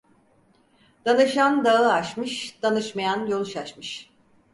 Danışan dağı aşmış, danışmayan yolu şaşmış.